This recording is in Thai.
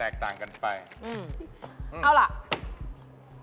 กล้องเมื่อใด